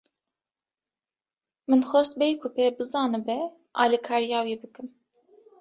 Min xwest bêyî ku pê bizanibe, alîkariya wî bikim.